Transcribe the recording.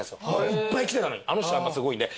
いっぱい来てたのにあの人すごいんで。